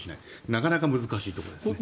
なかなか難しいところですね。